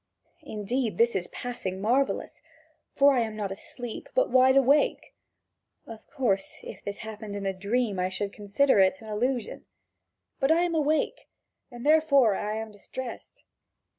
Indeed, this is passing marvellous, for I am not asleep, but wide awake. Of course, if this happened in a dream, I should consider it an illusion; but I am awake, and therefore I am distressed."